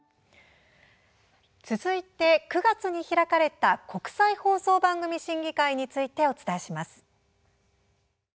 続いて、９月に開かれた国際放送番組審議会についてお伝えします。